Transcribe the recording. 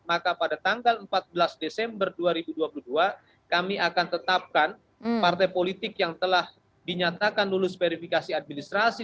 maka pada tanggal empat belas desember dua ribu dua puluh dua kami akan tetapkan partai politik yang telah dinyatakan lulus verifikasi administrasi